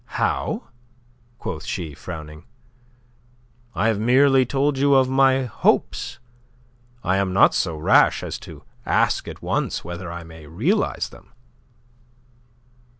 "How?" quoth she, frowning. "I have merely told you of my hopes. I am not so rash as to ask at once whether I may realize them."